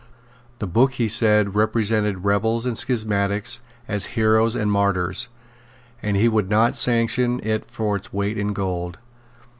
The book, he said, represented rebels and schismatics as heroes and martyrs; and he would not sanction it for its weight in gold.